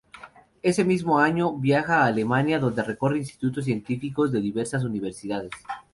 Ese mismo año viaja a Alemania donde recorre institutos científicos de diversas universidades.